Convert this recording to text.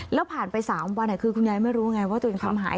แล้วผ่านไป๓วันคือคุณยายไม่รู้ไงว่าตัวเองทำหาย